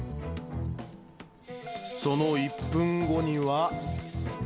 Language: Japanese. その１分後には。